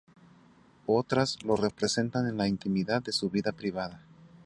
Otras lo representan en la intimidad de su vida privada.